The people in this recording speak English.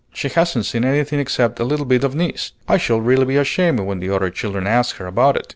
"She hasn't seen anything except a little bit of Nice. I shall really be ashamed when the other children ask her about it.